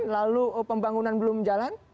lalu pembangunan belum jalan